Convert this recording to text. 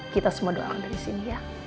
kita semua doakan dari sini ya